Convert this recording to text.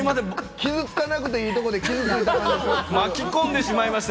傷つかなくていいところで傷ついた。